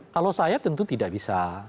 kalau saya tentu tidak bisa